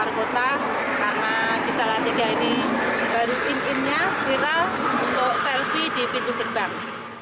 karena di salatiga ini baru inginnya viral untuk selfie di pintu gerbang